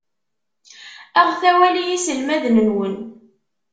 Aɣet awal i yiselmaden-nwen.